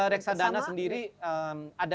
reksadana sendiri ada